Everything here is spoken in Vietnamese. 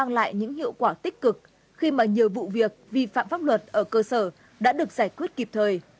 lại những hiệu quả tích cực khi mà nhiều vụ việc vi phạm pháp luật ở cơ sở đã được giải quyết kịp thời